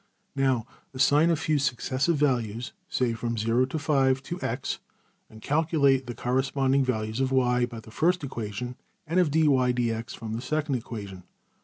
\] Now assign a few successive values, say from $0$~to~$5$, to~$x$; and calculate the corresponding values of~$y$ by the first equation; and of~$\dfrac{dy}{dx}$ from the second equation.